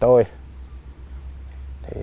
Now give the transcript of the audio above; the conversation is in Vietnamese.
học như là